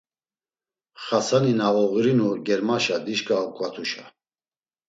Xasani na oğurinu germaşa dişka oǩvatuşa.